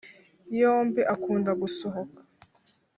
Yombi akunda gusohoka.